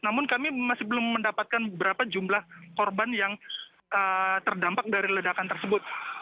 namun kami masih belum mendapatkan berapa jumlah korban yang terdampak dari ledakan tersebut